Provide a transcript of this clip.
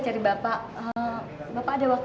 terima kasih pak